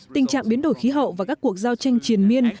tình trạng biến đổi khí hậu và các cuộc giao tranh triền miên